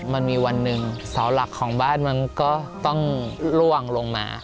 มันมีวันหนึ่งเสาหลักของบ้านมันก็ต้องล่วงลงมา